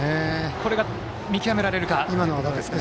これが見極められるかですね。